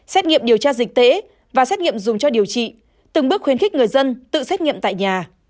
xét nghiệm điều tra dịch tễ và xét nghiệm dùng cho điều trị từng bước khuyến khích người dân tự xét nghiệm tại nhà